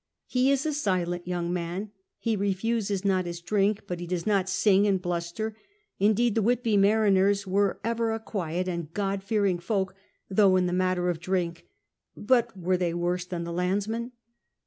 lie is a silent young man; he refuses not his drink, but he does not sing and bluster; indeed, the Whitby mariners were ever a quiet and God feanng folk, though in the matter of drink — but were they worse than the landsmen?